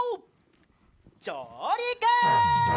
じょうりく！